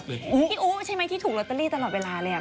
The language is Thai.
คุณไม่รู้ใช่มั้ยที่ถูกโรตเตอรี่ตลอดเวลาเลยอ่ะ